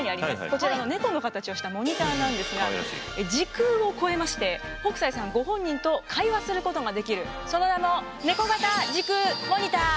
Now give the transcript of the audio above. こちらの猫の形をしたモニターなんですが時空を超えまして北斎さんご本人と会話することができるその名もネコ型時空モニター！